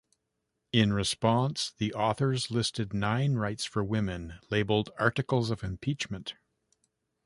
In response, the authors listed nine rights for women labeled Articles of Impeachment.